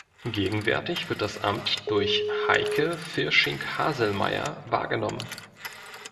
Gegenwärtig wird das Amt durch "Heike Firsching-Haselmaier" wahrgenommen.